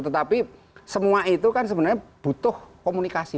tetapi semua itu kan sebenarnya butuh komunikasi